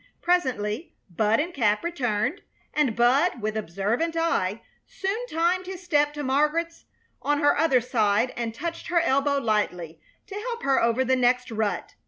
Presently Bud and Cap returned, and Bud, with observant eye, soon timed his step to Margaret's on her other side and touched her elbow lightly to help her over the next rut.